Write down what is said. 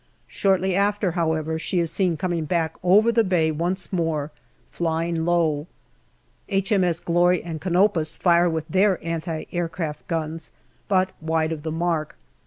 Shortly after, however, she is seen coming back over the bay once more, flying low. H.M.S. Glory and Canopus fire with their anti aircraft guns, but wide of the mark.